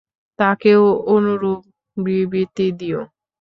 তাকেও অনুরূপ বিবৃতি দিও।